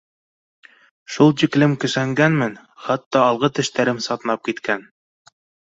Шул тиклем көсәнгәнмен, хатта алғы тештәреп сатнап киткән.